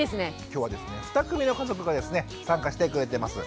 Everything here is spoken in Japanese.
今日はですね２組の家族がですね参加してくれてます。